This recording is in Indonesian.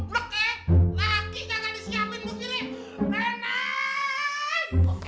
laki kakak disiamin mungkiri